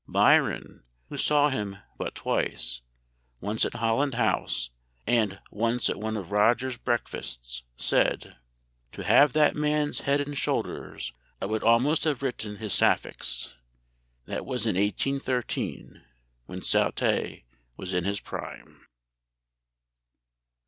Byron, who saw him but twice, once at Holland House, and once at one of Rogers' breakfasts, said, 'To have that man's head and shoulders, I would almost have written his sapphics.' That was in 1813, when Southey was in his prime."